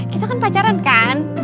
kita kan pacaran kan